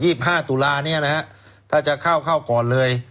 ห้าตุลาเนี้ยนะฮะถ้าจะเข้าเข้าก่อนเลย